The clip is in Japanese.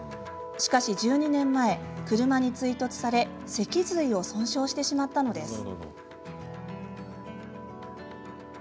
しかし、１２年前車に追突され脊髄を損傷してしまったのです。